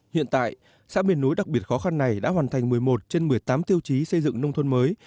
hiện tại xã miền núi đặc biệt khó khăn này đã hoàn thành một mươi một trên một mươi tám tiêu chí xây dựng nông thôn mới